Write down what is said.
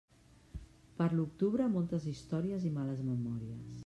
Per l'octubre, moltes històries i males memòries.